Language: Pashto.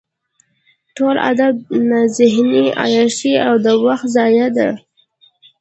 ټول ادب نه ذهني عیاشي او د وخت ضایع ده.